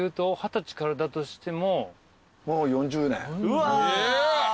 うわ！